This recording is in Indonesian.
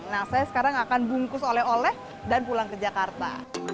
nah saya sekarang akan bungkus oleh oleh dan pulang ke jakarta